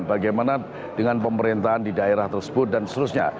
bagaimana dengan pemerintahan di daerah tersebut dan seterusnya